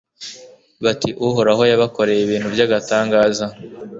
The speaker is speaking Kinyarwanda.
bati Uhoraho yabakoreye ibintu by’agatangaza